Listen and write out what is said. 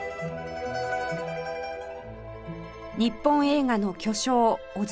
日本映画の巨匠小津